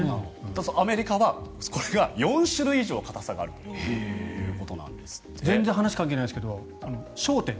アメリカはこれが４種類以上硬さがあるということなんですって。